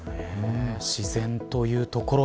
自然というところ。